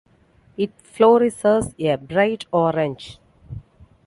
It fluoresces a bright orange.